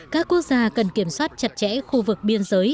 các quốc gia cần kiểm soát chặt chẽ khu vực biên giới